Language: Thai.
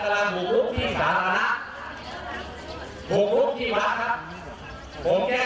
เพราะว่าของเงินคดีพ่อค้าผูกลุกทุกประการทีนี้ครับ